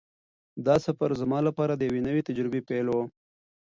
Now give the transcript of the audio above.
دا سفر زما لپاره د یوې نوې تجربې پیل و.